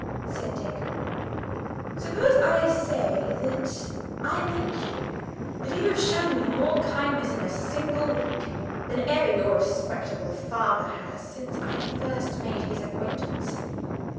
said Dick. "Suppose I say that I like you, that you have shown me more kindness in a single week than ever your respectable father has since I first made his acquaintance?